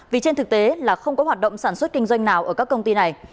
vì trên thực tế là không có hoạt động sản xuất kinh doanh nào ở các công ty này